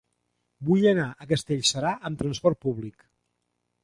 Vull anar a Castellserà amb trasport públic.